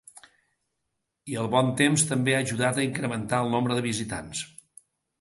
I el bon temps també ha ajudat a incrementar el nombre de visitants.